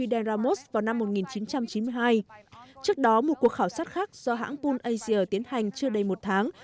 trước đó ông duterte đã được tham gia một cuộc khảo sát khác do hãng pool asia tiến hành chưa đầy một tháng